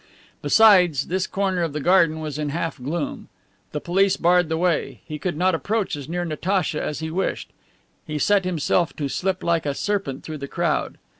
Besides, this corner of the garden was in a half gloom. The police barred the way; he could not approach as near Natacha as he wished. He set himself to slip like a serpent through the crowd.